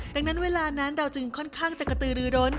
ดังนั้นเวลานั้นเราจึงค่อนข้างจะกระตือรือร้น